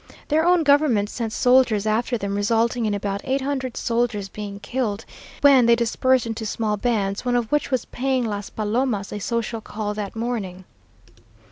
Their own government sent soldiers after them, resulting in about eight hundred soldiers being killed, when they dispersed into small bands, one of which was paying Las Palomas a social call that morning.